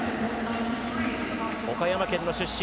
岡山県の出身。